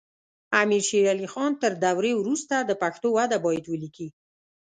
امیر شیر علی خان تر دورې وروسته د پښتو وده باید ولیکي.